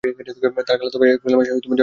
তার খালাতো ভাই এপ্রিল মাসে জন্মগ্রহণ করে।